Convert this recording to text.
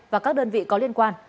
và các đơn vị có liên quan